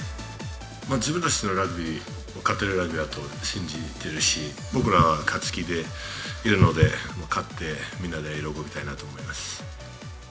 自分たちのラグビーは勝てるラグビーだと信じてるし、僕らは勝つ気でいるので、勝って、みんなで喜びたいなと思います。